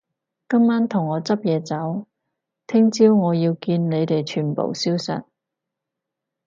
今晚同我執嘢走，聽朝我要見到你哋全部消失